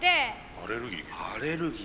アレルギー。